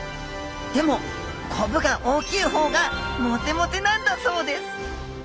でもコブが大きい方がモテモテなんだそうです